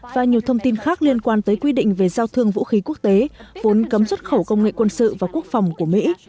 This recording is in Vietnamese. và nhiều thông tin khác liên quan tới quy định về giao thương vũ khí quốc tế vốn cấm xuất khẩu công nghệ quân sự và quốc phòng của mỹ